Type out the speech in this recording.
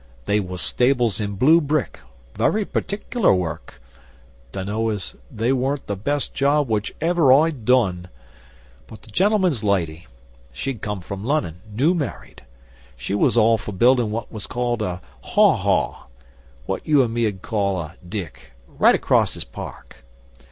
They was stables in blue brick very particular work. Dunno as they weren't the best job which ever I'd done. But the gentleman's lady she'd come from Lunnon, new married she was all for buildin' what was called a haw haw what you an' me 'ud call a dik right acrost his park.